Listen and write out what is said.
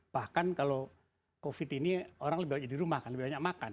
bahkan kalau covid sembilan belas ini orang lebih banyak di rumah lebih banyak makan